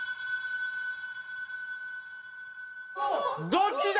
どっちだ？